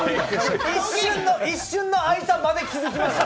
一瞬の空いた間で気付きました。